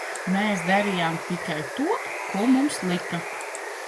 Mēs darījām tikai to, ko mums lika!